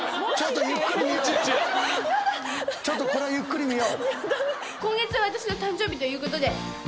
ちょっとこれはゆっくり見よう。